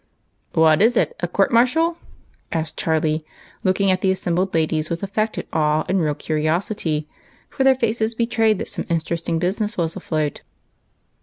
"What is up? a court martial?" asked Charlie, look ing at the assembled ladies with affected awe and real curiosity, for their faces betrayed that some interesting business was afloat.